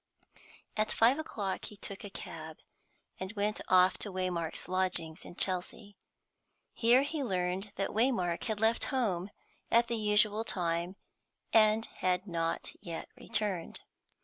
At five o'clock he took a cab, and went off to Waymark's lodgings in Chelsea. Here he learned that Waymark had left home at the usual time, and had not yet returned.